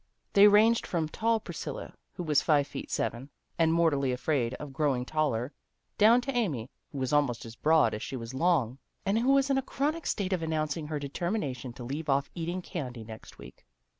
They ranged from tall Priscilla, who was five feet seven, and mortally afraid of growing taller, down to Amy, who was almost as broad as she was long, and who was in a chronic state of announcing her determination to leave off eating candy next week.